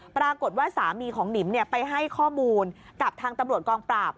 ปรากฏว่าสามีของหนิมไปให้ข้อมูลกับทางตำรวจกองปราบ